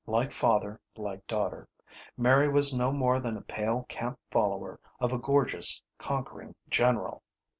Like father like daughter. Mary was no more than a pale camp follower of a gorgeous, conquering general.